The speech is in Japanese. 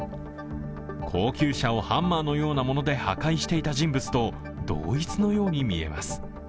高級車をハンマーのようなもので破壊していた人物と同一のように見えます。